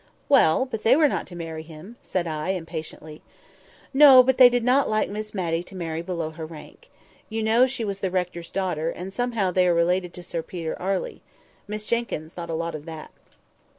"Well! but they were not to marry him," said I, impatiently. "No; but they did not like Miss Matty to marry below her rank. You know she was the rector's daughter, and somehow they are related to Sir Peter Arley: Miss Jenkyns thought a deal of that."